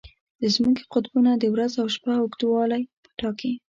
د ځمکې قطبونه د ورځ او شپه اوږدوالی ټاکي.